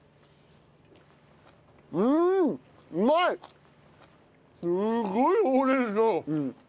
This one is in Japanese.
うん！